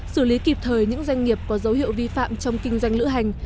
xử lý kịp thời những doanh nghiệp có dấu hiệu vi phạm trong kinh doanh lữ hành